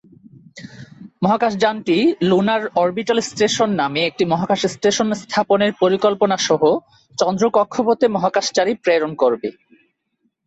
মহাকাশযানটি lunar orbital station নামে একটি মহাকাশ স্টেশন স্থাপনের পরিকল্পনা সহ চন্দ্র কক্ষপথে মহাকাশচারী প্রেরণ করবে।